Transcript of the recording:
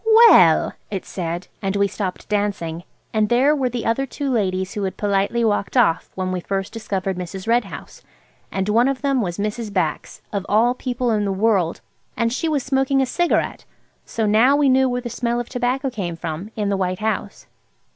"Well!" it said. And we stopped dancing. And there were the other two ladies who had politely walked off when we first discovered Mrs. Red House. And one of them was Mrs. Bax–of all people in the world! And she was smoking a cigarette. So now we knew where the smell of tobacco came from, in the White House.